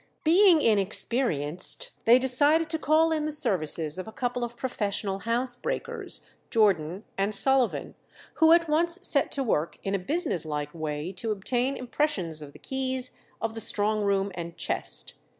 Being inexperienced, they decided to call in the services of a couple of professional housebreakers, Jordan and Sullivan, who at once set to work in a business like way to obtain impressions of the keys of the strong room and chest.